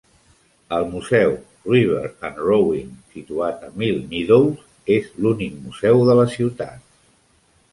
El museu River and Rowing, situat a Mill Meadows, és l'únic museu de la ciutat.